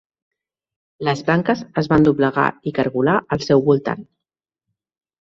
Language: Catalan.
Les branques es van doblegar i cargolar al seu voltant.